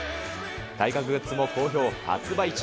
体格グッズも好評発売中。